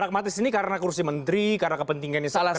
pragmatis ini karena kursi menteri karena kepentingannya sangat ketemu